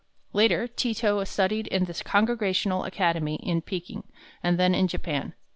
Later Ti to studied in the Congregational Academy in Peking, and then in Japan.